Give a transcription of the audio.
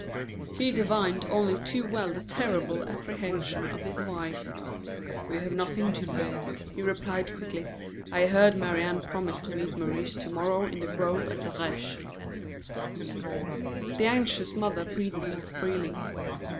He divined only too well the terrible apprehensions of his wife. "We have nothing to fear," he replied, quickly; "I heard Marie Anne promise to meet Maurice to morrow in the grove on the Reche." The anxious mother breathed more freely.